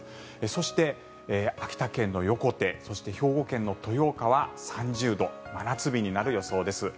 そして、秋田県の横手兵庫県の豊岡は３０度、真夏日になる予想です。